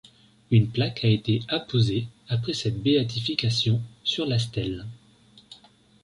Une plaque a été apposée, après cette béatification, sur la stèle.